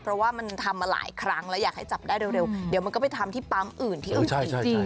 เพราะว่ามันทำมาหลายครั้งแล้วอยากให้จับได้เร็วเดี๋ยวมันก็ไปทำที่ปั๊มอื่นที่อื่น